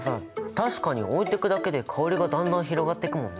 確かに置いとくだけで香りがだんだん広がってくもんね！